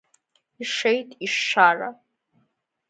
Ишеит ишшара.